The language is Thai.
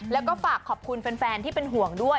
แล้วก็ฝากขอบคุณแฟนที่เป็นห่วงด้วย